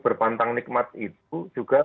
berpantang nikmat itu juga